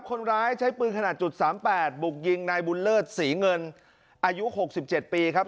คนร้ายใช้ปืนขนาดจุด๓๘บุกยิงนายบุญเลิศศรีเงินอายุ๖๗ปีครับ